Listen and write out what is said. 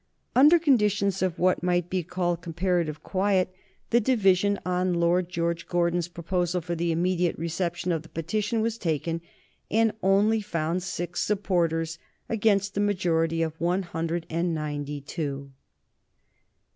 Under conditions of what might be called comparative quiet the division on Lord George Gordon's proposal for the immediate reception of the petition was taken, and only found six supporters against a majority of one hundred and ninety two.